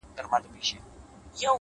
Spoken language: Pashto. چي د مخ لمر يې تياره سي نيمه خوا سي;